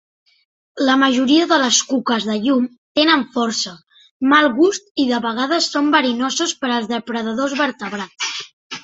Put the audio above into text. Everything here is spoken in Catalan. La majoria de les cuques de llum tenen força mal gust i, de vegades, són verinoses per als depredadors vertebrats.